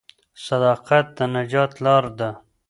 صداقت د نجات لار ده.